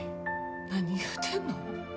何言うてんの？